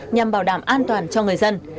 nhằm bảo đảm an toàn cho người dân